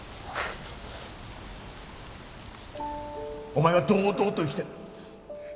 お前は堂々と生きてる。